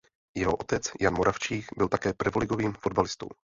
Jeho otec Ján Moravčík byl také prvoligovým fotbalistou.